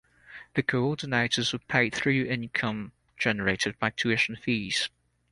The Coordinators were paid through income generated by tuition fees.